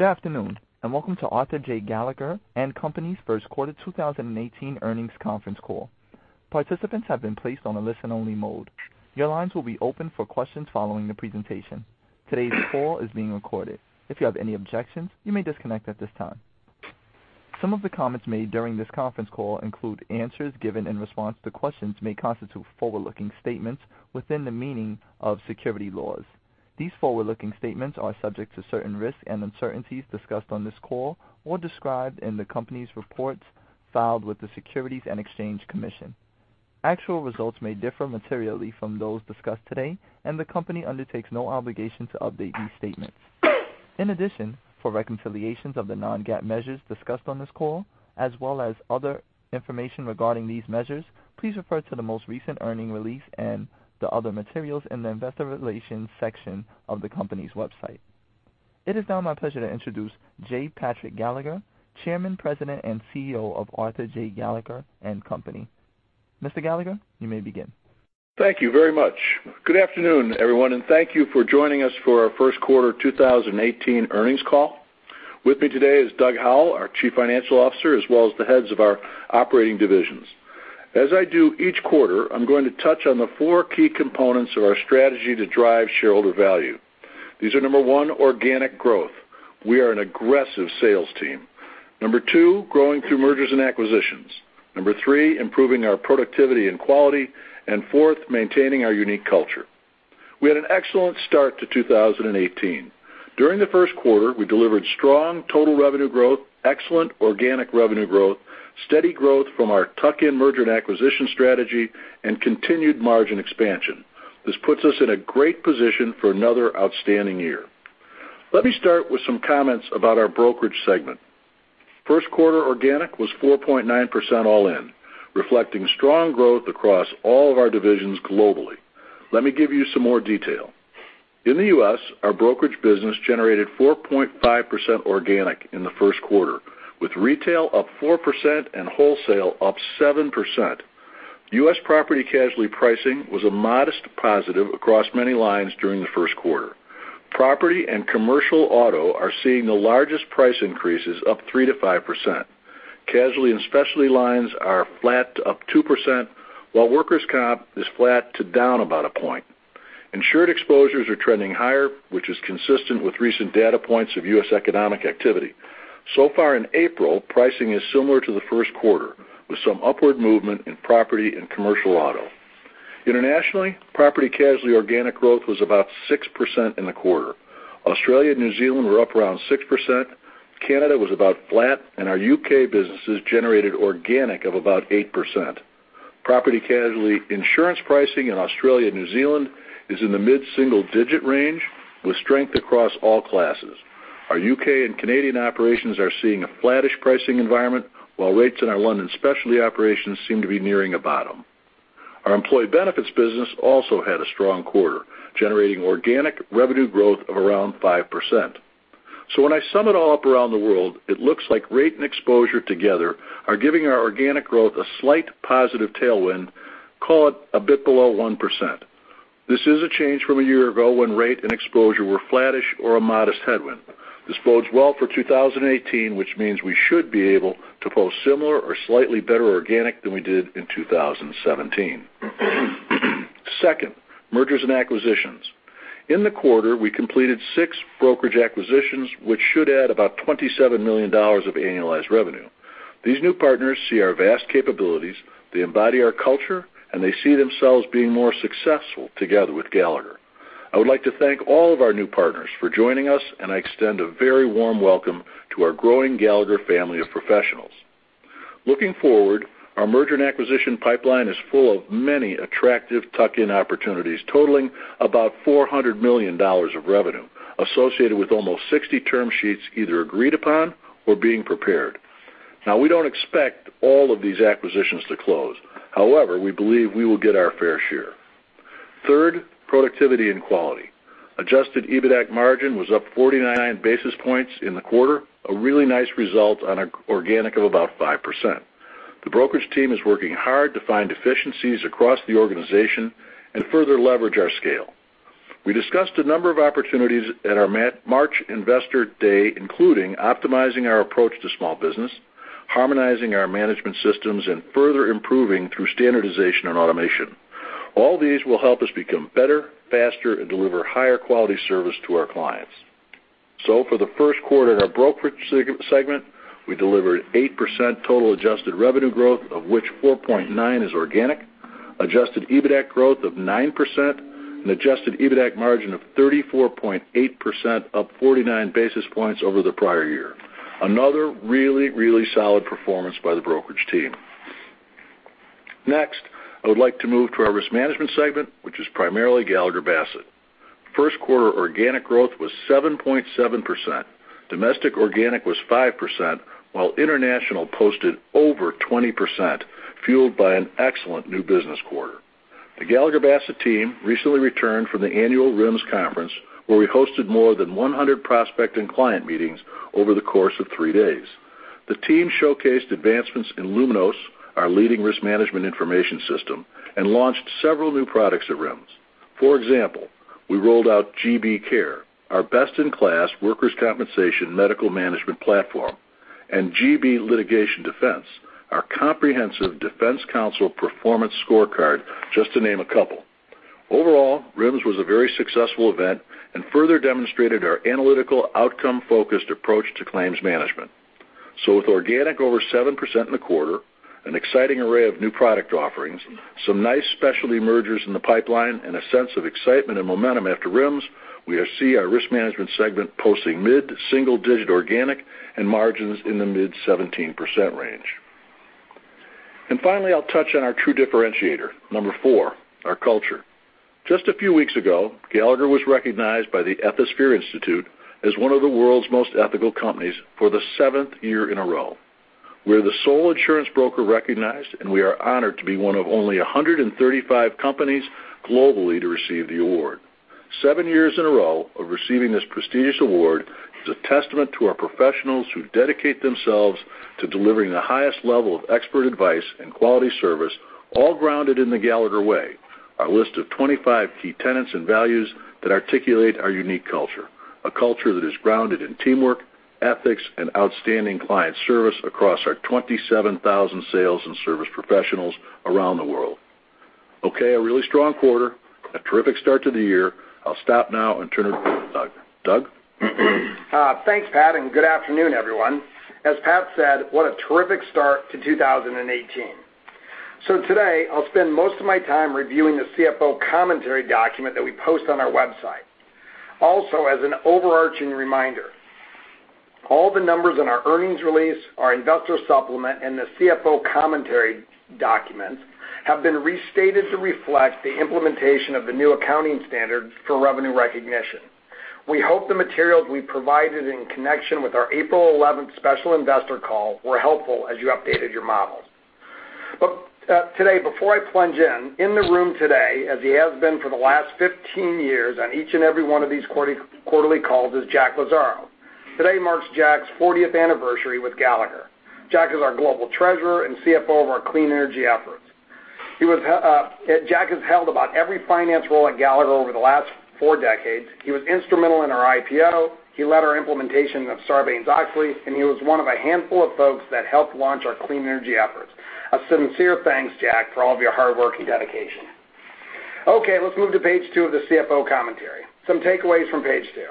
Welcome to Arthur J. Gallagher & Co.'s first quarter 2018 earnings conference call. Participants have been placed on a listen-only mode. Your lines will be open for questions following the presentation. Today's call is being recorded. If you have any objections, you may disconnect at this time. Some of the comments made during this conference call include answers given in response to questions may constitute forward-looking statements within the meaning of securities laws. These forward-looking statements are subject to certain risks and uncertainties discussed on this call or described in the company's reports filed with the Securities and Exchange Commission. Actual results may differ materially from those discussed today. The company undertakes no obligation to update these statements. In addition, for reconciliations of the non-GAAP measures discussed on this call, as well as other information regarding these measures, please refer to the most recent earnings release and the other materials in the investor relations section of the company's website. It is now my pleasure to introduce J. Patrick Gallagher, Chairman, President, and CEO of Arthur J. Gallagher & Co. Mr. Gallagher, you may begin. Thank you very much. Good afternoon, everyone. Thank you for joining us for our first quarter 2018 earnings call. With me today is Doug Howell, our Chief Financial Officer, as well as the heads of our operating divisions. As I do each quarter, I'm going to touch on the four key components of our strategy to drive shareholder value. These are, number one, organic growth. We are an aggressive sales team. Number two, growing through mergers and acquisitions. Number three, improving our productivity and quality. Fourth, maintaining our unique culture. We had an excellent start to 2018. During the first quarter, we delivered strong total revenue growth, excellent organic revenue growth, steady growth from our tuck-in merger and acquisition strategy, continued margin expansion. This puts us in a great position for another outstanding year. Let me start with some comments about our brokerage segment. First quarter organic was 4.9% all in, reflecting strong growth across all of our divisions globally. Let me give you some more detail. In the U.S., our brokerage business generated 4.5% organic in the first quarter, with retail up 4% and wholesale up 7%. U.S. property casualty pricing was a modest positive across many lines during the first quarter. Property and commercial auto are seeing the largest price increases up 3%-5%. Casualty and specialty lines are flat to up 2%, while workers' comp is flat to down about a point. Insured exposures are trending higher, which is consistent with recent data points of U.S. economic activity. So far in April, pricing is similar to the first quarter, with some upward movement in property and commercial auto. Internationally, property casualty organic growth was about 6% in the quarter. Australia and New Zealand were up around 6%, Canada was about flat, and our U.K. businesses generated organic of about 8%. Property casualty insurance pricing in Australia and New Zealand is in the mid-single-digit range with strength across all classes. Our U.K. and Canadian operations are seeing a flattish pricing environment, while rates in our London specialty operations seem to be nearing a bottom. Our employee benefits business also had a strong quarter, generating organic revenue growth of around 5%. When I sum it all up around the world, it looks like rate and exposure together are giving our organic growth a slight positive tailwind, call it a bit below 1%. This is a change from a year ago when rate and exposure were flattish or a modest headwind. This bodes well for 2018, which means we should be able to post similar or slightly better organic than we did in 2017. Second, mergers and acquisitions. In the quarter, we completed 6 brokerage acquisitions, which should add about $27 million of annualized revenue. These new partners see our vast capabilities, they embody our culture, and they see themselves being more successful together with Gallagher. I would like to thank all of our new partners for joining us, and I extend a very warm welcome to our growing Gallagher family of professionals. Looking forward, our merger and acquisition pipeline is full of many attractive tuck-in opportunities totaling about $400 million of revenue, associated with almost 60 term sheets either agreed upon or being prepared. We don't expect all of these acquisitions to close. However, we believe we will get our fair share. Third, productivity and quality. Adjusted EBITAC margin was up 49 basis points in the quarter, a really nice result on organic of about 5%. The brokerage team is working hard to find efficiencies across the organization and further leverage our scale. We discussed a number of opportunities at our March Investor Day, including optimizing our approach to small business, harmonizing our management systems, and further improving through standardization and automation. All these will help us become better, faster, and deliver higher quality service to our clients. For the first quarter in our brokerage segment, we delivered 8% total adjusted revenue growth, of which 4.9% is organic, adjusted EBITAC growth of 9%, and adjusted EBITAC margin of 34.8%, up 49 basis points over the prior year. Another really solid performance by the brokerage team. Next, I would like to move to our risk management segment, which is primarily Gallagher Bassett. First quarter organic growth was 7.7%. Domestic organic was 5%, while international posted over 20%, fueled by an excellent new business quarter. The Gallagher Bassett team recently returned from the annual RIMS conference, where we hosted more than 100 prospect and client meetings over the course of three days. The team showcased advancements in LUMINOS, our leading risk management information system, and launched several new products at RIMS. For example, we rolled out GB Care, our best-in-class workers' compensation medical management platform, and GB Litigation Defense, our comprehensive defense counsel performance scorecard, just to name a couple. Overall, RIMS was a very successful event and further demonstrated our analytical outcome-focused approach to claims management. With organic over 7% in the quarter, an exciting array of new product offerings, some nice specialty mergers in the pipeline, and a sense of excitement and momentum after RIMS, we see our risk management segment posting mid-single digit organic and margins in the mid 17% range. Finally, I'll touch on our true differentiator, number four, our culture. Just a few weeks ago, Gallagher was recognized by the Ethisphere Institute as one of the world's most ethical companies for the seventh year in a row. We're the sole insurance broker recognized, and we are honored to be one of only 135 companies globally to receive the award. Seven years in a row of receiving this prestigious award is a testament to our professionals who dedicate themselves to delivering the highest level of expert advice and quality service, all grounded in the Gallagher way, our list of 25 key tenets and values that articulate our unique culture, a culture that is grounded in teamwork, ethics, and outstanding client service across our 27,000 sales and service professionals around the world. A really strong quarter, a terrific start to the year. I'll stop now and turn it over to Doug. Doug? Thanks, Pat, good afternoon, everyone. As Pat said, what a terrific start to 2018. Today, I'll spend most of my time reviewing the CFO commentary document that we post on our website. Also, as an overarching reminder, all the numbers in our earnings release, our investor supplement, and the CFO commentary documents have been restated to reflect the implementation of the new accounting standards for revenue recognition. We hope the materials we provided in connection with our April 11th special investor call were helpful as you updated your models. Today, before I plunge in the room today, as he has been for the last 15 years on each and every one of these quarterly calls, is Jack Lazzaro. Today marks Jack's 40th anniversary with Gallagher. Jack is our global treasurer and CFO of our clean energy efforts. Jack has held about every finance role at Gallagher over the last four decades. He was instrumental in our IPO. He led our implementation of Sarbanes-Oxley, he was one of a handful of folks that helped launch our clean energy efforts. A sincere thanks, Jack, for all of your hard work and dedication. Let's move to page two of the CFO commentary. Some takeaways from page two.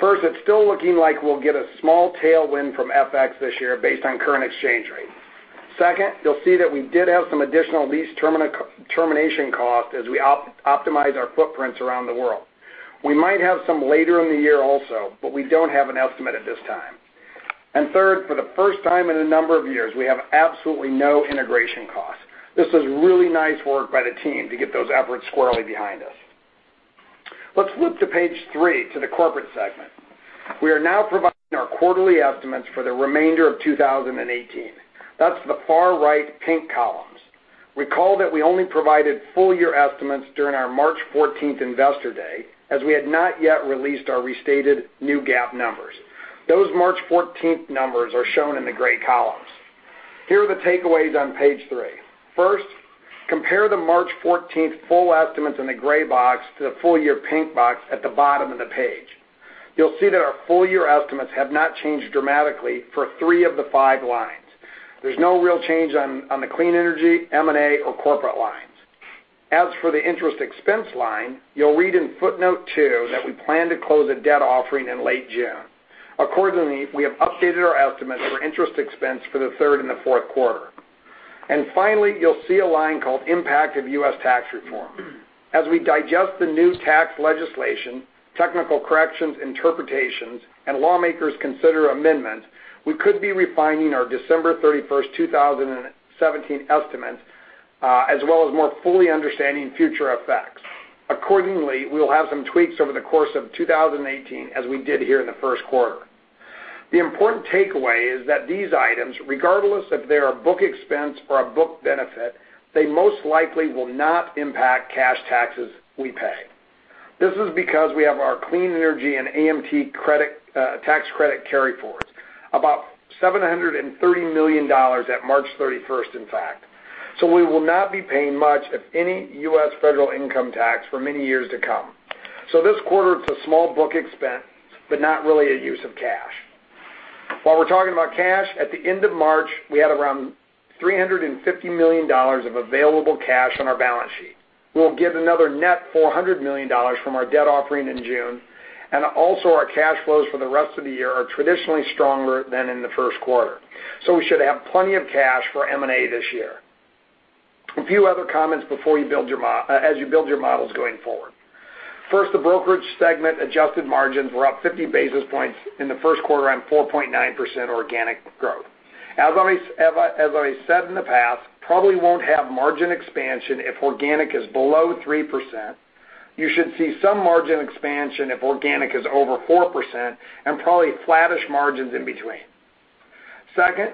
First, it's still looking like we'll get a small tailwind from FX this year based on current exchange rates. Second, you'll see that we did have some additional lease termination cost as we optimized our footprints around the world. We might have some later in the year also, we don't have an estimate at this time. Third, for the first time in a number of years, we have absolutely no integration costs. This is really nice work by the team to get those efforts squarely behind us. Let's flip to page three, to the Corporate Segment. We are now providing our quarterly estimates for the remainder of 2018. That's the far right pink columns. Recall that we only provided full year estimates during our March 14th Investor Day, as we had not yet released our restated new GAAP numbers. Those March 14th numbers are shown in the gray columns. Here are the takeaways on page three. First, compare the March 14th full estimates in the gray box to the full year pink box at the bottom of the page. You'll see that our full year estimates have not changed dramatically for three of the five lines. There's no real change on the clean energy, M&A, or Corporate lines. As for the interest expense line, you'll read in footnote two that we plan to close a debt offering in late June. Accordingly, we have updated our estimates for interest expense for the third and the fourth quarter. Finally, you'll see a line called impact of U.S. tax reform. As we digest the new tax legislation, technical corrections, interpretations, and lawmakers consider amendments, we could be refining our December 31st 2017 estimates, as well as more fully understanding future effects. Accordingly, we will have some tweaks over the course of 2018 as we did here in the first quarter. The important takeaway is that these items, regardless if they are book expense or a book benefit, they most likely will not impact cash taxes we pay. This is because we have our clean energy and AMT tax credit carry forwards, about $730 million at March 31st, in fact. We will not be paying much, if any, U.S. federal income tax for many years to come. This quarter, it's a small book expense, but not really a use of cash. While we're talking about cash, at the end of March, we had around $350 million of available cash on our balance sheet. We'll get another net $400 million from our debt offering in June, and also our cash flows for the rest of the year are traditionally stronger than in the first quarter. We should have plenty of cash for M&A this year. A few other comments as you build your models going forward. First, the Brokerage Segment adjusted margins were up 50 basis points in the first quarter on 4.9% organic growth. As I said in the past, probably won't have margin expansion if organic is below 3%. You should see some margin expansion if organic is over 4%, and probably flattish margins in between. Second,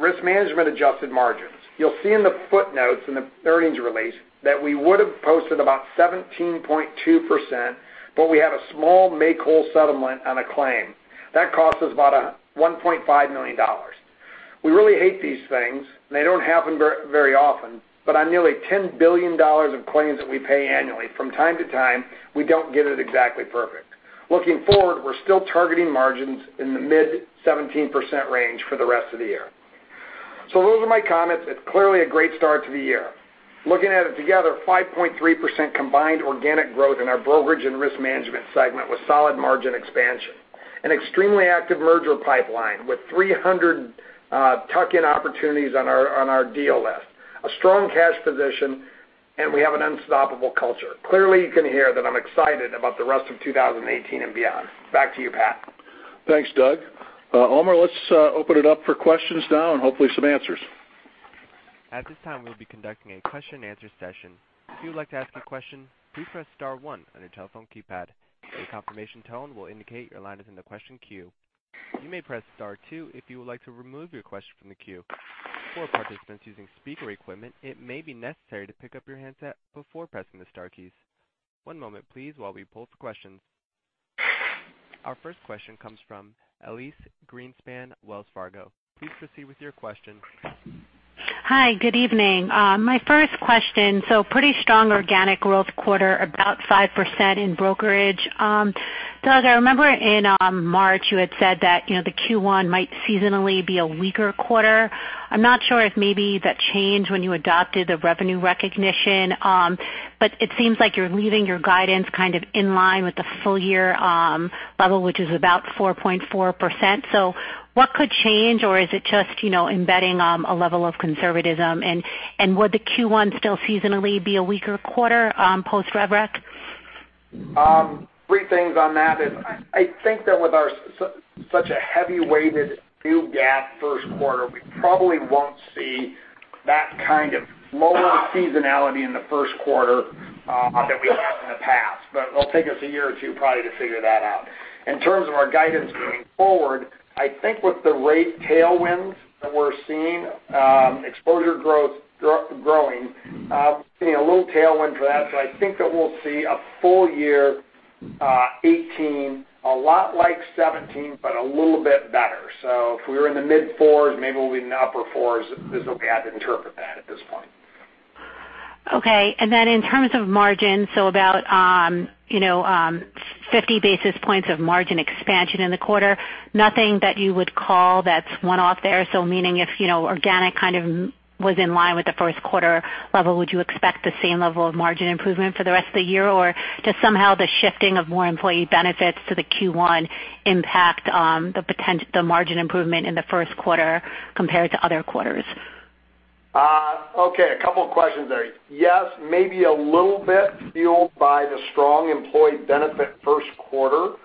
Risk Management adjusted margins. You'll see in the footnotes in the earnings release that we would have posted about 17.2%, but we have a small make-whole settlement on a claim. That cost us about $1.5 million. We really hate these things, and they don't happen very often, but on nearly $10 billion of claims that we pay annually from time to time, we don't get it exactly perfect. Looking forward, we're still targeting margins in the mid 17% range for the rest of the year. Those are my comments. It's clearly a great start to the year. Looking at it together, 5.3% combined organic growth in our Brokerage and Risk Management Segment with solid margin expansion. An extremely active merger pipeline with 300 tuck-in opportunities on our deal list, a strong cash position, and we have an unstoppable culture. Clearly, you can hear that I'm excited about the rest of 2018 and beyond. Back to you, Pat. Thanks, Doug. Omer, let's open it up for questions now and hopefully some answers. At this time, we'll be conducting a question answer session. If you would like to ask a question, please press star one on your telephone keypad. A confirmation tone will indicate your line is in the question queue. You may press star two if you would like to remove your question from the queue. For participants using speaker equipment, it may be necessary to pick up your handset before pressing the star keys. One moment please while we pull for questions. Our first question comes from Elyse Greenspan, Wells Fargo. Please proceed with your question. Hi. Good evening. My first question, pretty strong organic growth quarter, about 5% in brokerage. Doug, I remember in March you had said that the Q1 might seasonally be a weaker quarter. I'm not sure if maybe that changed when you adopted the rev rec. It seems like you're leaving your guidance kind of in line with the full year level, which is about 4.4%. What could change? Is it just embedding a level of conservatism? Would the Q1 still seasonally be a weaker quarter, post rev rec? Three things on that is, I think that with such a heavy weighted new GAAP first quarter, we probably won't see that kind of lower seasonality in the first quarter that we have in the past. It'll take us a year or two probably to figure that out. In terms of our guidance going forward, I think with the rate tailwinds that we're seeing, exposure growth growing, seeing a little tailwind for that. I think that we'll see a full year 2018, a lot like 2017, but a little bit better. If we were in the mid fours, maybe we'll be in the upper fours is the way I'd interpret that at this point. Okay. In terms of margin, about 50 basis points of margin expansion in the quarter. Nothing that you would call that's one-off there. Meaning if organic kind of was in line with the first quarter level, would you expect the same level of margin improvement for the rest of the year, or just somehow the shifting of more employee benefits to the Q1 impact the margin improvement in the first quarter compared to other quarters? Okay. A couple of questions there. Yes, maybe a little bit fueled by the strong employee benefit first quarter.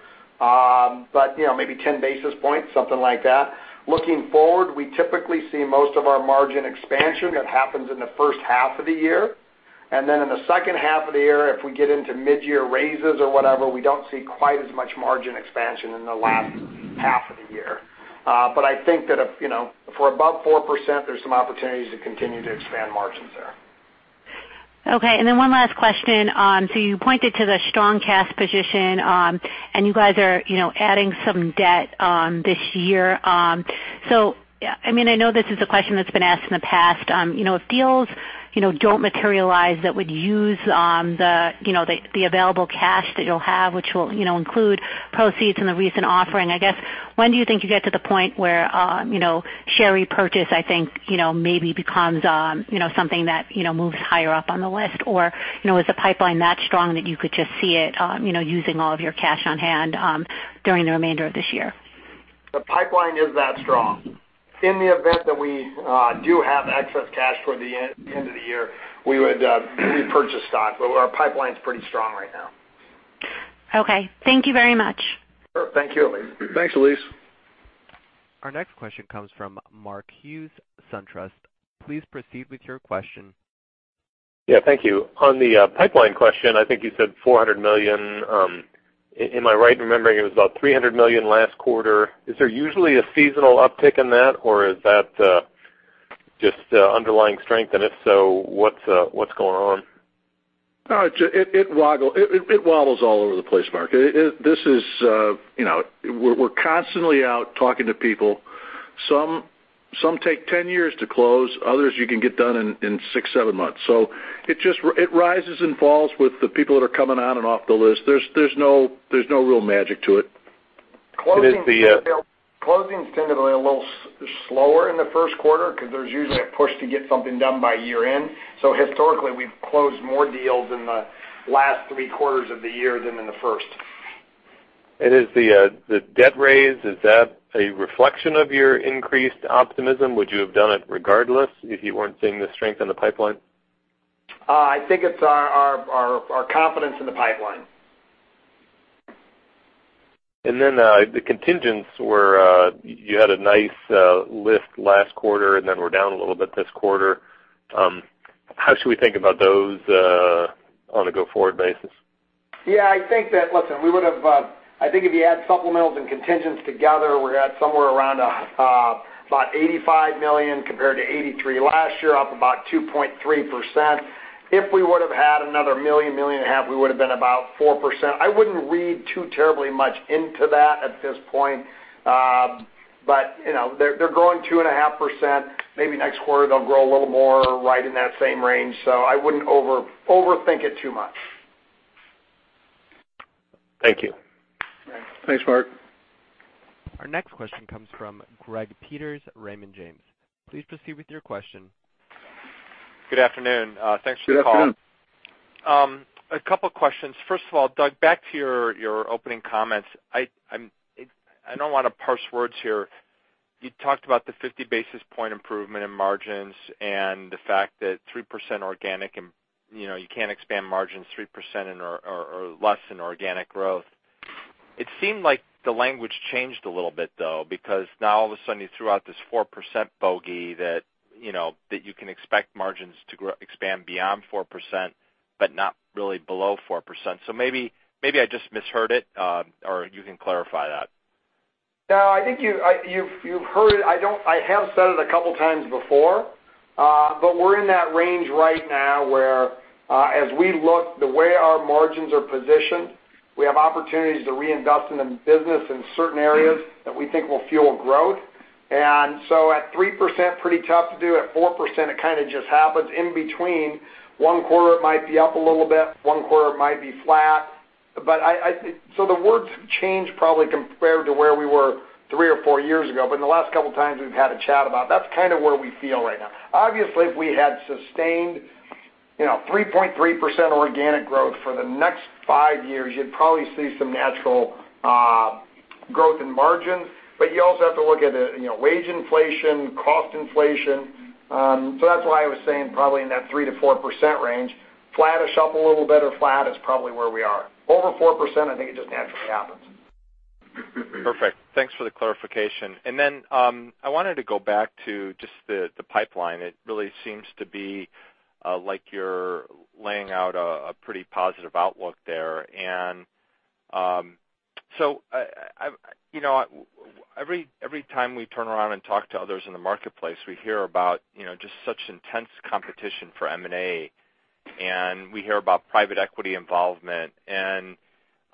Maybe 10 basis points, something like that. Looking forward, we typically see most of our margin expansion that happens in the first half of the year. In the second half of the year, if we get into mid-year raises or whatever, we don't see quite as much margin expansion in the last half of the year. I think that if we're above 4%, there's some opportunities to continue to expand margins there. Okay. One last question. You pointed to the strong cash position, you guys are adding some debt this year. I know this is a question that's been asked in the past. If deals don't materialize that would use the available cash that you'll have, which will include proceeds from the recent offering. I guess, when do you think you get to the point where share repurchase, I think, maybe becomes something that moves higher up on the list? Is the pipeline that strong that you could just see it using all of your cash on hand during the remainder of this year? The pipeline is that strong. In the event that we do have excess cash toward the end of the year, we would repurchase stock, but our pipeline's pretty strong right now. Okay. Thank you very much. Sure. Thank you. Thanks, Elyse. Our next question comes from Mark Hughes, SunTrust. Please proceed with your question. Yeah, thank you. On the pipeline question, I think you said $400 million. Am I right in remembering it was about $300 million last quarter? Is there usually a seasonal uptick in that, or is that just underlying strength? If so, what's going on? It wobbles all over the place, Mark. We're constantly out talking to people. Some take 10 years to close. Others you can get done in six, seven months. It rises and falls with the people that are coming on and off the list. There's no real magic to it. Closings tend to be a little slower in the first quarter because there's usually a push to get something done by year-end. Historically, we've closed more deals in the last three quarters of the year than in the first. Is the debt raise, is that a reflection of your increased optimism? Would you have done it regardless if you weren't seeing the strength in the pipeline? I think it's our confidence in the pipeline. The contingents where you had a nice lift last quarter and then we're down a little bit this quarter. How should we think about those on a go-forward basis? I think that, listen, I think if you add supplementals and contingents together, we're at somewhere around about $85 million compared to $83 million last year, up about 2.3%. If we would've had another one million and a half, we would've been about 4%. I wouldn't read too terribly much into that at this point. They're growing 2.5%, maybe next quarter they'll grow a little more right in that same range. I wouldn't overthink it too much. Thank you. Okay. Thanks, Mark. Our next question comes from Greg Peters, Raymond James. Please proceed with your question. Good afternoon. Thanks for the call. Good afternoon. A couple questions. First of all, Doug, back to your opening comments. I don't want to parse words here. You talked about the 50 basis point improvement in margins and the fact that 3% organic, you can't expand margins 3% or less in organic growth. It seemed like the language changed a little bit though, because now all of a sudden you threw out this 4% bogey that you can expect margins to expand beyond 4%, but not really below 4%. Maybe I just misheard it, or you can clarify that. No, I think you've heard it. I have said it a couple of times before, but we're in that range right now where as we look the way our margins are positioned, we have opportunities to reinvest in the business in certain areas that we think will fuel growth. At 3%, pretty tough to do. At 4%, it kind of just happens. In between, one quarter it might be up a little bit, one quarter it might be flat. The words have changed probably compared to where we were three or four years ago. In the last couple of times we've had a chat about, that's kind of where we feel right now. Obviously, if we had sustained 3.3% organic growth for the next five years, you'd probably see some natural growth in margin, but you also have to look at wage inflation, cost inflation. That's why I was saying probably in that 3%-4% range, flattish up a little bit or flat is probably where we are. Over 4%, I think it just naturally happens. Perfect. Thanks for the clarification. Then, I wanted to go back to just the pipeline. It really seems to be like you're laying out a pretty positive outlook there. Every time we turn around and talk to others in the marketplace, we hear about just such intense competition for M&A, and we hear about private equity involvement.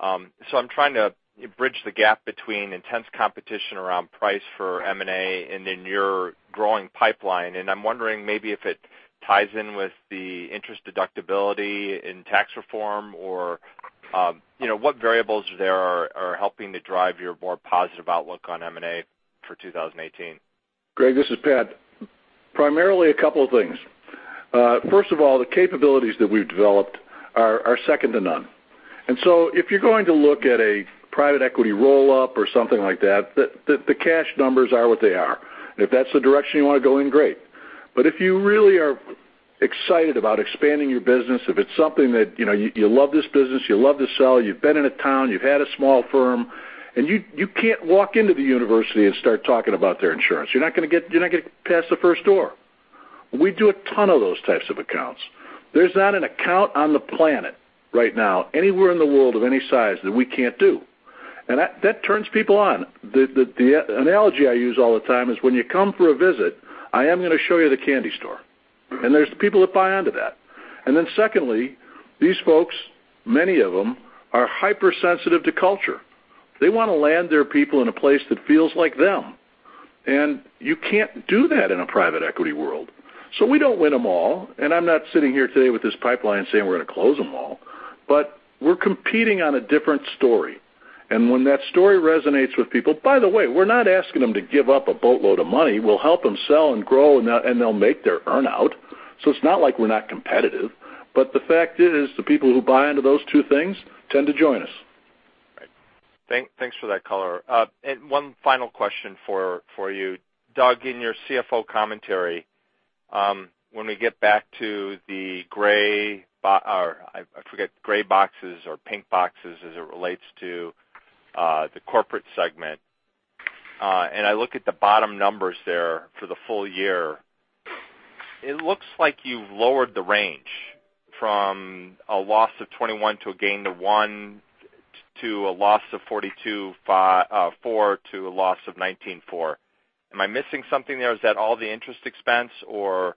So I'm trying to bridge the gap between intense competition around price for M&A and then your growing pipeline. I'm wondering maybe if it ties in with the interest deductibility in tax reform or, what variables there are helping to drive your more positive outlook on M&A for 2018. Greg, this is Pat. Primarily a couple of things. First of all, the capabilities that we've developed are second to none. If you're going to look at a private equity roll-up or something like that, the cash numbers are what they are. If that's the direction you want to go in, great. If you really are excited about expanding your business, if it's something that you love this business, you love to sell, you've been in a town, you've had a small firm, and you can't walk into the university and start talking about their insurance. You're not going to get past the first door. We do a ton of those types of accounts. There's not an account on the planet right now, anywhere in the world of any size, that we can't do. That turns people on. The analogy I use all the time is when you come for a visit, I am going to show you the candy store, and there's the people that buy onto that. Then secondly, these folks, many of them are hypersensitive to culture. They want to land their people in a place that feels like them, and you can't do that in a private equity world. We don't win them all, and I'm not sitting here today with this pipeline saying we're going to close them all, but we're competing on a different story. When that story resonates with people, by the way, we're not asking them to give up a boatload of money. We'll help them sell and grow, and they'll make their earn out, so it's not like we're not competitive. The fact is, the people who buy into those two things tend to join us. Right. Thanks for that color. One final question for you. Doug, in your CFO commentary, when we get back to the gray boxes or pink boxes as it relates to the Corporate segment. I look at the bottom numbers there for the full year, it looks like you've lowered the range from a loss of $21 million to a gain to $1 million, to a loss of $42.4 million to a loss of $19.4 million. Am I missing something there? Is that all the interest expense or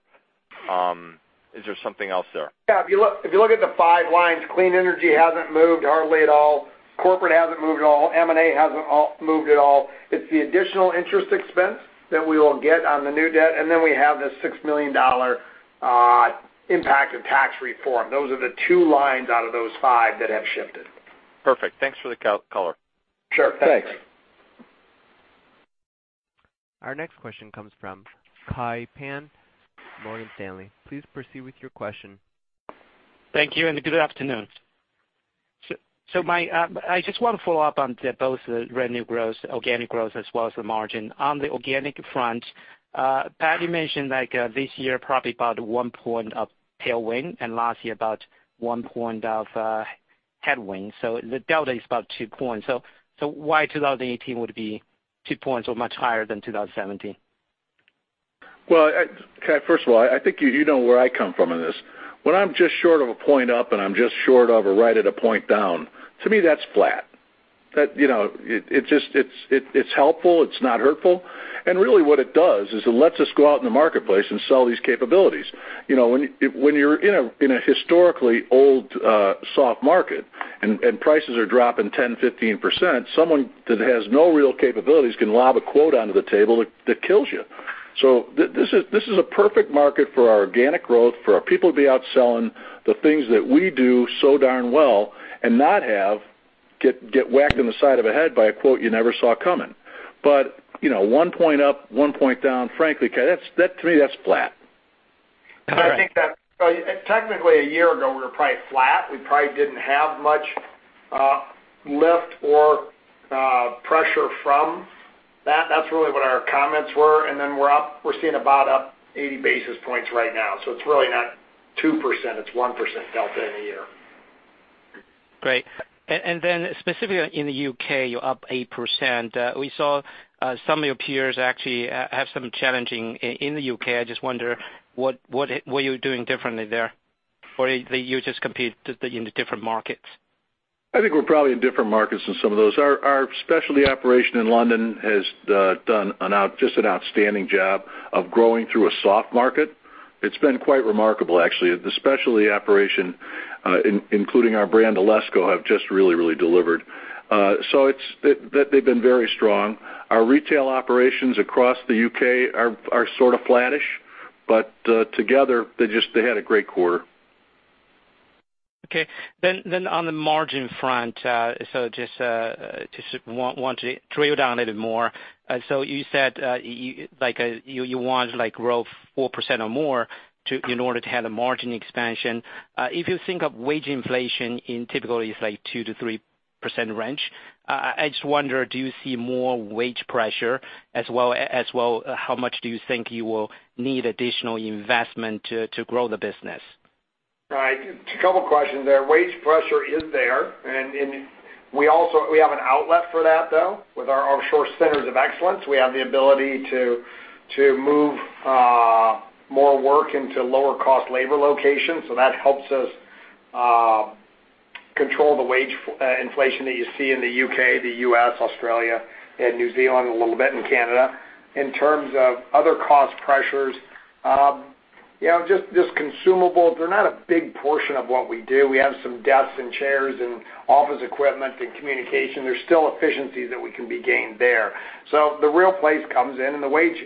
is there something else there? Yeah, if you look at the 5 lines, clean energy hasn't moved hardly at all. Corporate hasn't moved at all. M&A hasn't moved at all. It's the additional interest expense that we will get on the new debt, then we have this $6 million impact of tax reform. Those are the 2 lines out of those 5 that have shifted. Perfect. Thanks for the color. Sure. Thanks. Our next question comes from Kai Pan, Morgan Stanley. Please proceed with your question. Thank you and good afternoon. I just want to follow up on both the revenue growth, organic growth as well as the margin. On the organic front, Pat, you mentioned like this year, probably about one point of tailwind and last year about one point of headwind. The delta is about two points. Why 2018 would be two points or much higher than 2017? Well, Kai, first of all, I think you know where I come from in this. When I'm just short of a point up and I'm just short of or right at a point down, to me, that's flat. It's helpful, it's not hurtful. Really what it does is it lets us go out in the marketplace and sell these capabilities. When you're in a historically old soft market and prices are dropping 10%-15%, someone that has no real capabilities can lob a quote onto the table that kills you. This is a perfect market for our organic growth, for our people to be out selling the things that we do so darn well and not get whacked in the side of the head by a quote you never saw coming. One point up, one point down, frankly, Kai, that to me, that's flat. I think that technically a year ago, we were probably flat. We probably didn't have much lift or pressure from that. That's really what our comments were. We're up, we're seeing about up 80 basis points right now. It's really not 2%, it's 1% delta in a year. Great. Specifically in the U.K., you're up 8%. We saw some of your peers actually have some challenges in the U.K. I just wonder what you're doing differently there, or you just compete in the different markets. I think we're probably in different markets than some of those. Our specialty operation in London has done just an outstanding job of growing through a soft market. It's been quite remarkable, actually. The specialty operation, including our brand, Alesco, have just really delivered. They've been very strong. Our retail operations across the U.K. are sort of flattish, but together, they had a great quarter. Okay. On the margin front, just want to drill down a little more. You said you want to grow 4% or more in order to have a margin expansion. If you think of wage inflation in typically it's like 2%-3% range, I just wonder, do you see more wage pressure, as well how much do you think you will need additional investment to grow the business? Right. Two couple questions there. Wage pressure is there, and we have an outlet for that, though. With our offshore centers of excellence, we have the ability to move more work into lower cost labor locations, so that helps us control the wage inflation that you see in the U.K., the U.S., Australia, and New Zealand, a little bit in Canada. In terms of other cost pressures, just consumables. They're not a big portion of what we do. We have some desks and chairs and office equipment and communication. There's still efficiencies that we can be gained there. The real place comes in the wage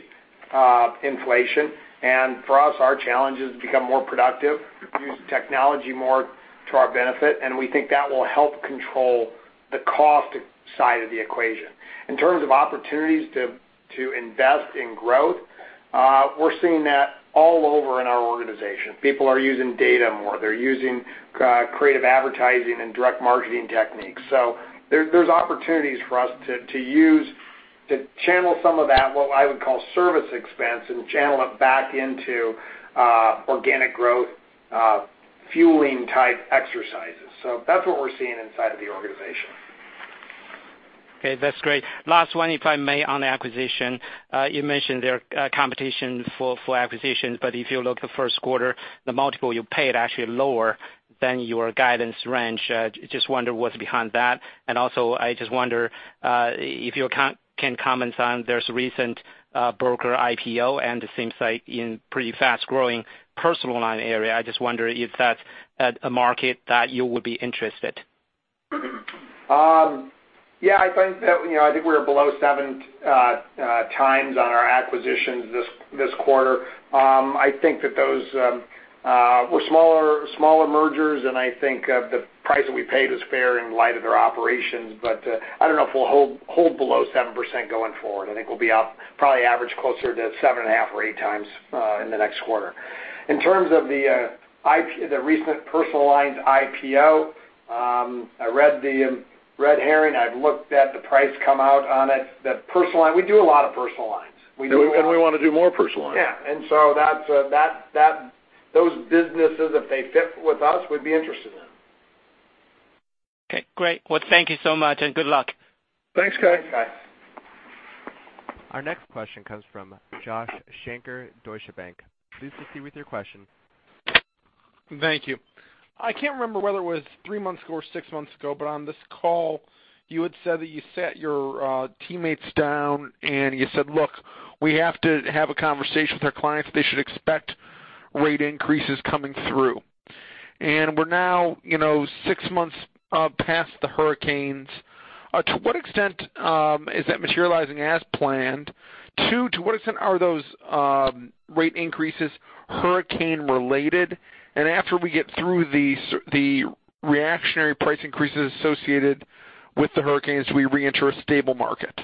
inflation. For us, our challenge is to become more productive, use technology more to our benefit, and we think that will help control the cost side of the equation. In terms of opportunities to invest in growth, we're seeing that all over in our organization. People are using data more. They're using creative advertising and direct marketing techniques. There's opportunities for us to channel some of that, what I would call service expense, and channel it back into organic growth fueling type exercises. That's what we're seeing inside of the organization. Okay. That's great. Last one, if I may, on the acquisition. You mentioned there are competition for acquisitions, if you look at first quarter, the multiple you paid actually lower than your guidance range. I just wonder what's behind that. I just wonder if you can comment on this recent broker IPO, it seems like in pretty fast-growing personal lines area. I just wonder if that's a market that you would be interested. Yeah, I think we're below seven times on our acquisitions this quarter. I think that those were smaller mergers, the price that I paid was fair in light of their operations. I don't know if we'll hold below 7% going forward. I think we'll be up probably average closer to seven and a half or eight times in the next quarter. In terms of the recent personal lines IPO, I read the red herring. I've looked at the price come out on it. We do a lot of personal lines. We do a lot- We want to do more personal lines. Yeah. Those businesses, if they fit with us, we'd be interested in. Okay, great. Well, thank you so much, and good luck. Thanks, Kai. Thanks, Kai. Our next question comes from Josh Shanker, Deutsche Bank. Please proceed with your question. Thank you. I can't remember whether it was three months ago or six months ago, but on this call, you had said that you sat your teammates down and you said, "Look, we have to have a conversation with our clients. They should expect rate increases coming through." We're now six months past the hurricanes. To what extent is that materializing as planned? Two, to what extent are those rate increases hurricane related? After we get through the reactionary price increases associated with the hurricanes, do we reenter a stable market?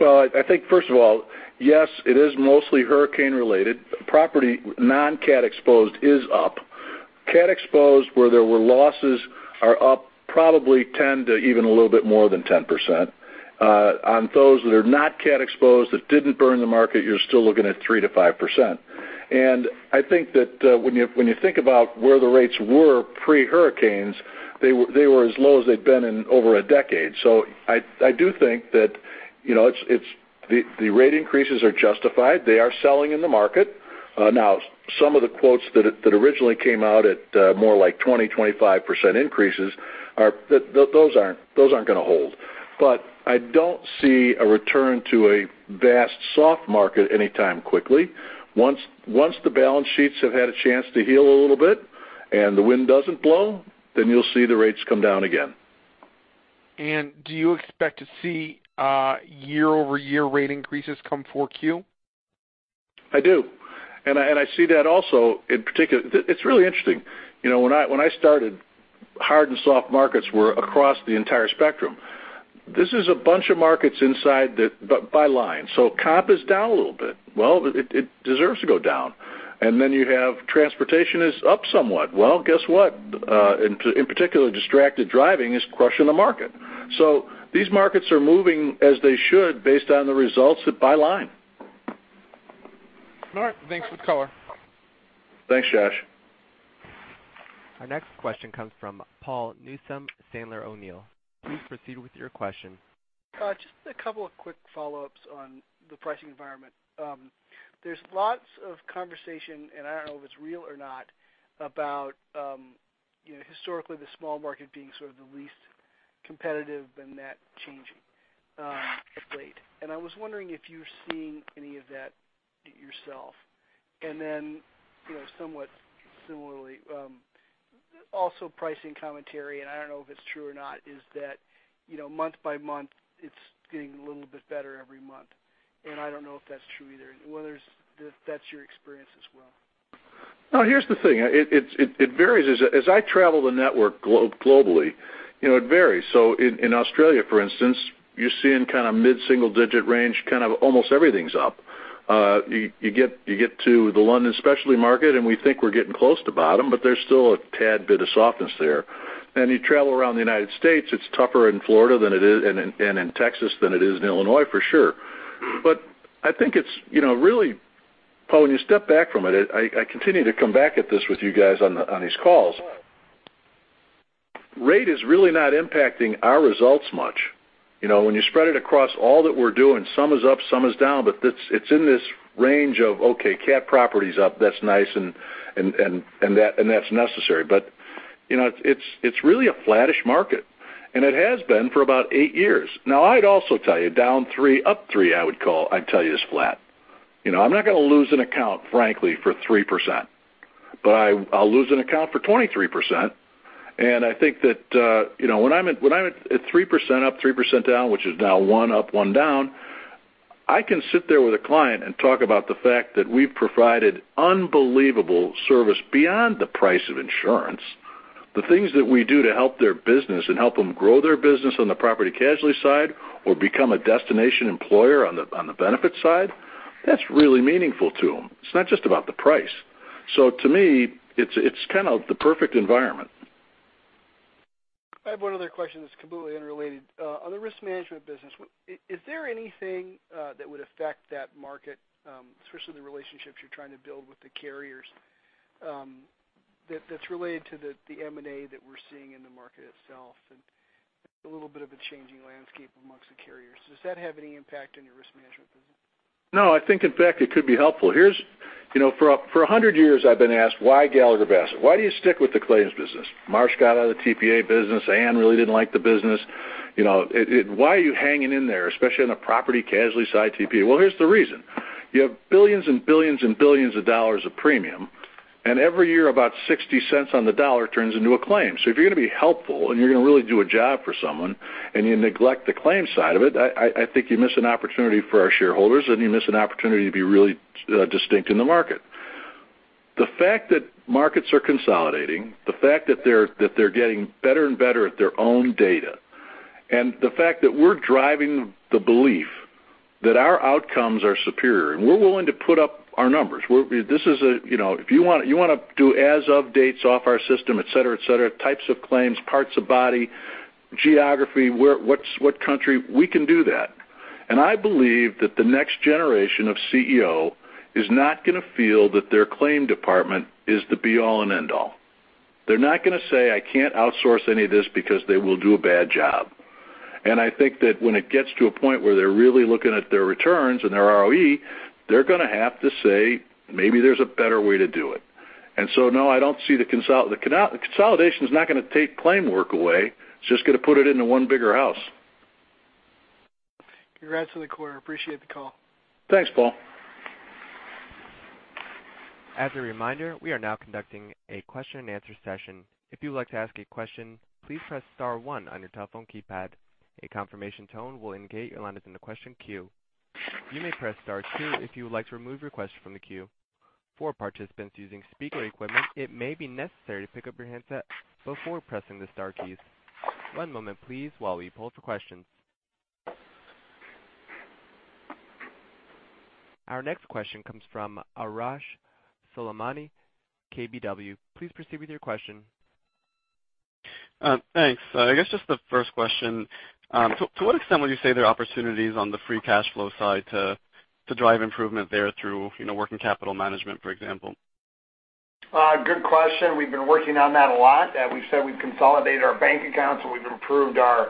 I think first of all, yes, it is mostly hurricane related. Property non-cat exposed is up. Cat exposed, where there were losses are up probably 10% to even a little bit more than 10%. On those that are not cat exposed, that didn't burn the market, you're still looking at 3%-5%. I think that when you think about where the rates were pre-hurricanes, they were as low as they'd been in over a decade. I do think that the rate increases are justified. They are selling in the market. Now, some of the quotes that originally came out at more like 20%-25% increases, those aren't going to hold. I don't see a return to a vast soft market anytime quickly. Once the balance sheets have had a chance to heal a little bit and the wind doesn't blow, then you'll see the rates come down again. Do you expect to see year-over-year rate increases come 4Q? I do. I see that also in particular. It's really interesting. When I started, hard and soft markets were across the entire spectrum. This is a bunch of markets inside by line. Comp is down a little bit. Well, it deserves to go down. You have transportation is up somewhat. Well, guess what? In particular, distracted driving is crushing the market. These markets are moving as they should based on the results by line. All right. Thanks for the color. Thanks, Josh. Our next question comes from Paul Newsome, Sandler O'Neill. Please proceed with your question. Just a couple of quick follow-ups on the pricing environment. There's lots of conversation, and I don't know if it's real or not, about historically the small market being sort of the least competitive and that changing of late. I was wondering if you're seeing any of that yourself. Then, somewhat similarly, also pricing commentary, and I don't know if it's true or not, is that month by month, it's getting a little bit better every month. I don't know if that's true either, and whether that's your experience as well. No, here's the thing. It varies. As I travel the network globally, it varies. In Australia, for instance, you're seeing mid-single-digit range, kind of almost everything's up. You get to the London specialty market, and we think we're getting close to bottom, but there's still a tad bit of softness there. You travel around the U.S., it's tougher in Florida and in Texas than it is in Illinois, for sure. I think it's really, Paul, when you step back from it, I continue to come back at this with you guys on these calls. Rate is really not impacting our results much. When you spread it across all that we're doing, some is up, some is down, but it's in this range of, okay, cat property's up. That's nice, and that's necessary. It's really a flattish market, and it has been for about eight years. Now, I'd also tell you down 3, up 3, I would call, I'd tell you is flat. I'm not going to lose an account, frankly, for 3%, but I'll lose an account for 23%. I think that when I'm at 3% up, 3% down, which is now 1 up, 1 down, I can sit there with a client and talk about the fact that we've provided unbelievable service beyond the price of insurance. The things that we do to help their business and help them grow their business on the property casualty side or become a destination employer on the benefits side, that's really meaningful to them. It's not just about the price. To me, it's kind of the perfect environment. I have one other question that's completely unrelated. On the risk management business, is there anything that would affect that market, especially the relationships you're trying to build with the carriers, that's related to the M&A that we're seeing in the market itself and a little bit of a changing landscape amongst the carriers? Does that have any impact on your risk management business? I think in fact, it could be helpful. For 100 years, I've been asked, why Gallagher Bassett? Why do you stick with the claims business? Marsh got out of the TPA business. Aon really didn't like the business. Why are you hanging in there, especially on the property casualty side TP? Here's the reason. You have billions and billions and billions of dollars of premium, and every year, about $0.60 on the dollar turns into a claim. If you're going to be helpful and you're going to really do a job for someone and you neglect the claims side of it, I think you miss an opportunity for our shareholders, and you miss an opportunity to be really distinct in the market. The fact that markets are consolidating, the fact that they're getting better and better at their own data, and the fact that we're driving the belief that our outcomes are superior, and we're willing to put up our numbers. If you want to do as-of dates off our system, et cetera, types of claims, parts of body, geography, what country, we can do that. I believe that the next generation of CEO is not going to feel that their claim department is the be all and end all. They're not going to say, I can't outsource any of this because they will do a bad job. I think that when it gets to a point where they're really looking at their returns and their ROE, they're going to have to say, maybe there's a better way to do it. No, consolidation is not going to take claim work away. It's just going to put it into one bigger house. Congrats on the quarter. Appreciate the call. Thanks, Paul. As a reminder, we are now conducting a question and answer session. If you would like to ask a question, please press star one on your telephone keypad. A confirmation tone will indicate your line is in the question queue. You may press star two if you would like to remove your question from the queue. For participants using speaker equipment, it may be necessary to pick up your handset before pressing the star keys. One moment, please, while we poll for questions. Our next question comes from Arash Soleimani, KBW. Please proceed with your question. Thanks. I guess just the first question, to what extent would you say there are opportunities on the free cash flow side to drive improvement there through working capital management, for example? Good question. We've been working on that a lot. We've said we've consolidated our bank accounts, and we've improved our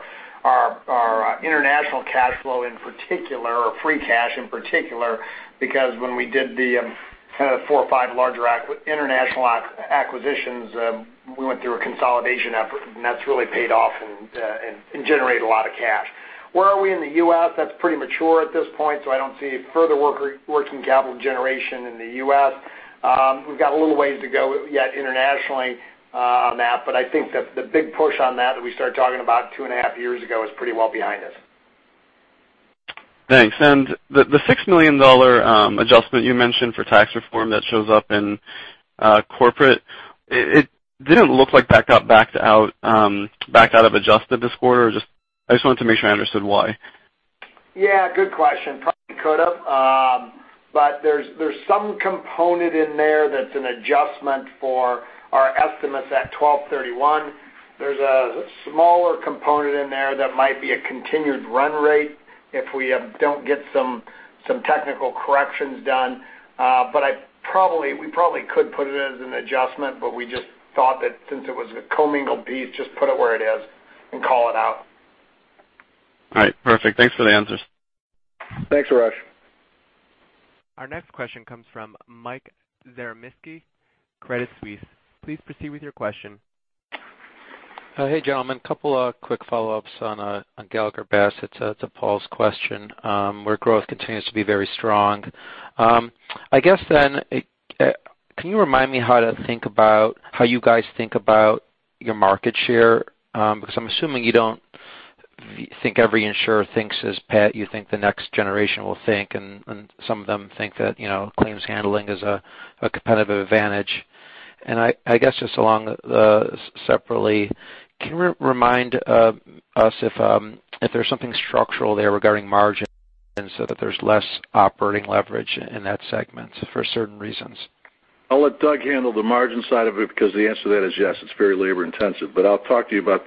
international cash flow in particular, or free cash in particular, because when we did the kind of four or five larger international acquisitions, we went through a consolidation effort, and that's really paid off and generated a lot of cash. Where are we in the U.S.? That's pretty mature at this point, so I don't see further working capital generation in the U.S. We've got a little ways to go yet internationally on that, but I think that the big push on that we started talking about two and a half years ago, is pretty well behind us. Thanks. The $6 million adjustment you mentioned for tax reform that shows up in corporate, it didn't look like that got backed out of adjusted this quarter. I just wanted to make sure I understood why. Yeah, good question. Probably could have. There's some component in there that's an adjustment for our estimates at 12/31. There's a smaller component in there that might be a continued run rate if we don't get some technical corrections done. We probably could put it in as an adjustment, but we just thought that since it was a commingled piece, just put it where it is and call it out. All right. Perfect. Thanks for the answers. Thanks, Arash. Our next question comes from Mike Zaremski, Credit Suisse. Please proceed with your question. Hey, gentlemen. Couple of quick follow-ups on Gallagher Bassett to Paul's question, where growth continues to be very strong. Can you remind me how you guys think about your market share? I'm assuming you don't think every insurer thinks as Pat, you think the next generation will think, and some of them think that claims handling is a competitive advantage. I guess just along separately, can you remind us if there's something structural there regarding margin, and so that there's less operating leverage in that segment for certain reasons? I'll let Doug handle the margin side of it because the answer to that is yes, it's very labor-intensive. I'll talk to you about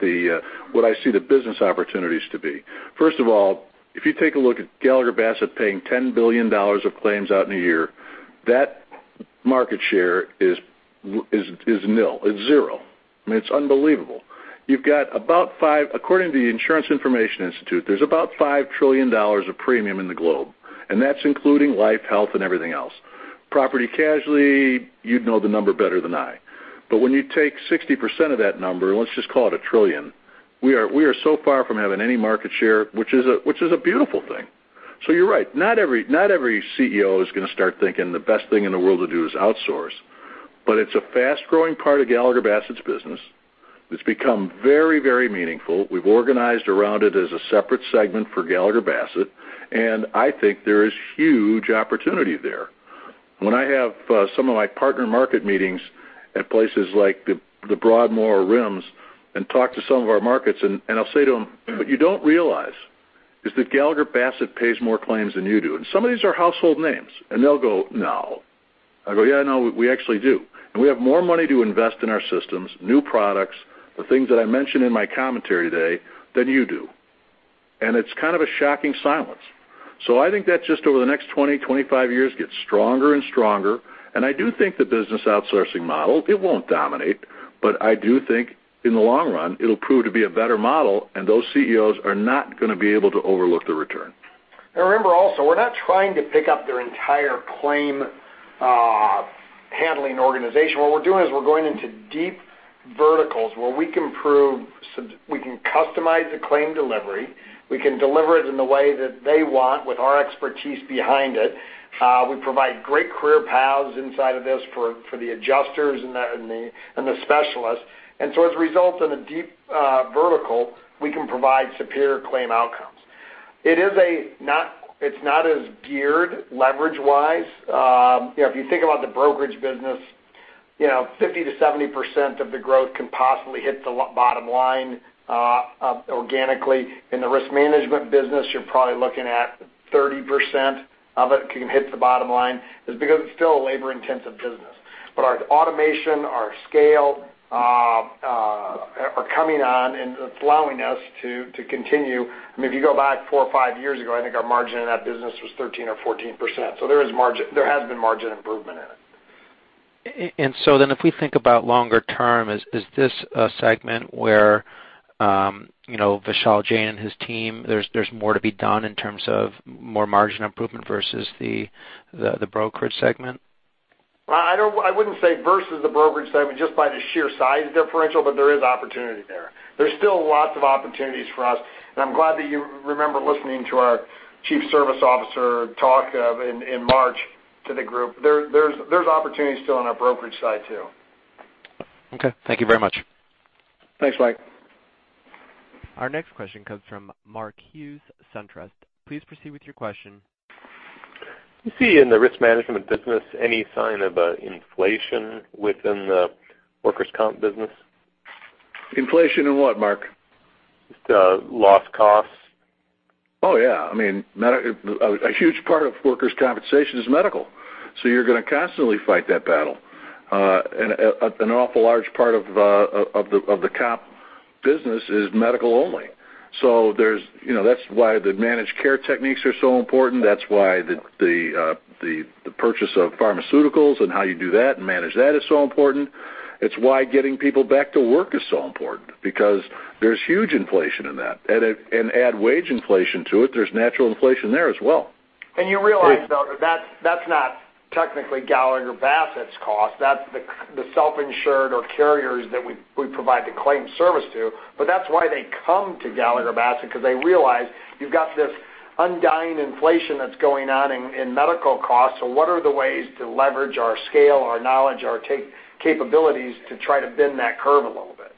what I see the business opportunities to be. First of all, if you take a look at Gallagher Bassett paying $10 billion of claims out in a year, that market share is nil. It's zero. I mean, it's unbelievable. According to the Insurance Information Institute, there's about $5 trillion of premium in the globe, and that's including life, health, and everything else. Property casualty, you'd know the number better than I. When you take 60% of that number, let's just call it a trillion, we are so far from having any market share, which is a beautiful thing. You're right, not every CEO is going to start thinking the best thing in the world to do is outsource. It's a fast-growing part of Gallagher Bassett's business. It's become very meaningful. We've organized around it as a separate segment for Gallagher Bassett, I think there is huge opportunity there. When I have some of my partner market meetings at places like The Broadmoor or RIMS and talk to some of our markets, I'll say to them, "You don't realize is that Gallagher Bassett pays more claims than you do." Some of these are household names. They'll go, "No." I go, "Yeah, no, we actually do. We have more money to invest in our systems, new products, the things that I mentioned in my commentary today, than you do." It's kind of a shocking silence. I think that just over the next 20, 25 years, gets stronger and stronger. I do think the business outsourcing model, it won't dominate, but I do think in the long run, it'll prove to be a better model, and those CEOs are not going to be able to overlook the return. Remember also, we're not trying to pick up their entire claim handling organization. What we're doing is we're going into deep verticals where we can customize the claim delivery, we can deliver it in the way that they want with our expertise behind it. We provide great career paths inside of this for the adjusters and the specialists. As a result, in a deep vertical, we can provide superior claim outcomes. It's not as geared leverage-wise. If you think about the brokerage business, 50%-70% of the growth can possibly hit the bottom line organically. In the risk management business, you're probably looking at 30% of it can hit the bottom line. It's because it's still a labor-intensive business. Our automation, our scale, are coming on, and it's allowing us to continue. If you go back four or five years ago, I think our margin in that business was 13% or 14%. There has been margin improvement in it. If we think about longer term, is this a segment where Vishal Jain and his team, there's more to be done in terms of more margin improvement versus the brokerage segment? I wouldn't say versus the brokerage segment, just by the sheer size differential, but there is opportunity there. There's still lots of opportunities for us, and I'm glad that you remember listening to our Chief Service Officer talk in March to the group. There's opportunities still on our brokerage side, too. Okay. Thank you very much. Thanks, Mike. Our next question comes from Mark Hughes, SunTrust. Please proceed with your question. Do you see in the risk management business any sign of inflation within the workers' comp business? Inflation in what, Mark? Just loss costs. Oh, yeah. I mean, a huge part of workers' compensation is medical. You're going to constantly fight that battle. An awful large part of the comp business is medical only. That's why the managed care techniques are so important. That's why the purchase of pharmaceuticals and how you do that and manage that is so important. It's why getting people back to work is so important, because there's huge inflation in that. Add wage inflation to it, there's natural inflation there as well. You realize, though, that's not technically Gallagher Bassett's cost. That's the self-insured or carriers that we provide the claim service to. That's why they come to Gallagher Bassett, because they realize you've got this undying inflation that's going on in medical costs. What are the ways to leverage our scale, our knowledge, our capabilities to try to bend that curve a little bit?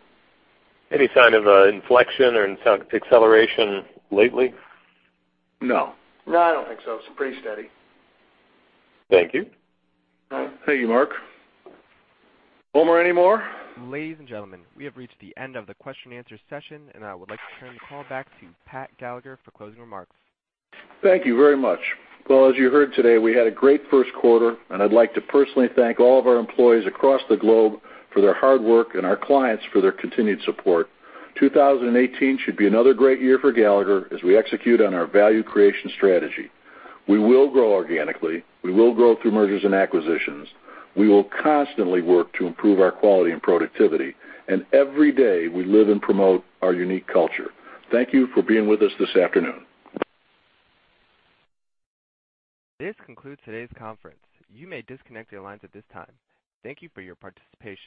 Any sign of an inflection or acceleration lately? No. No, I don't think so. It's pretty steady. Thank you. Thank you, Mark. Homer, any more? Ladies and gentlemen, we have reached the end of the question and answer session, and I would like to turn the call back to Pat Gallagher for closing remarks. Thank you very much. Well, as you heard today, we had a great first quarter, and I'd like to personally thank all of our employees across the globe for their hard work and our clients for their continued support. 2018 should be another great year for Gallagher as we execute on our value creation strategy. We will grow organically, we will grow through mergers and acquisitions. We will constantly work to improve our quality and productivity, and every day we live and promote our unique culture. Thank you for being with us this afternoon. This concludes today's conference. You may disconnect your lines at this time. Thank you for your participation.